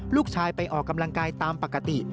ลูกชายไปออกกำลังกายตามปกติ